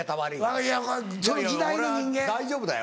「俺は大丈夫だよ」。